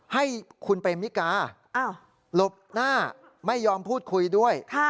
ให้คุณเปมมิกาหลบหน้าไม่ยอมพูดคุยด้วย